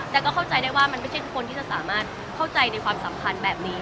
แต่ก็เข้าใจได้ว่ามันไม่ใช่ทุกคนที่จะสามารถเข้าใจในความสัมพันธ์แบบนี้